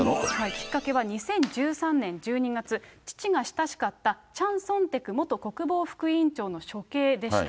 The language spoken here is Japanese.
きっかけは２０１３年１２月、父が親しかったチャン・ソンテク元国防副委員長の処刑でした。